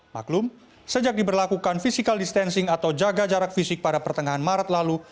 maklum sejak diberlakukan physical distancing atau jaga jarak fisik pada pertengahan maret lalu